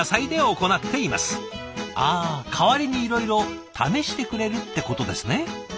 ああ代わりにいろいろ試してくれるってことですね。